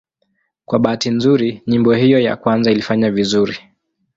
Kwa bahati nzuri nyimbo hiyo ya kwanza ilifanya vizuri.